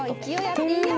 いいよ。